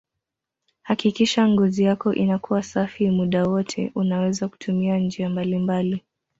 Hakikisha ngozi yako inakuwa safi muda wote unaweza kutumia njia mbalimbali